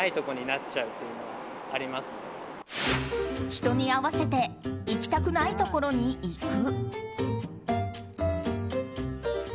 人に合わせて行きたくないところに行く。